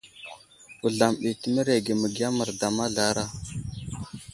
Wuzlam ɗi təmerege məgiya merda mazlara.